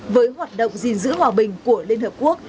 với hoạt động gìn giữ hòa bình của liên hợp quốc